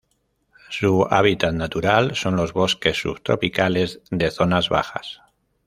Su hábitat natural son los bosques subtropicales de zonas bajas.